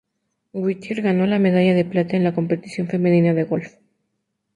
Whittier ganó la medalla de plata en la competición femenina de golf.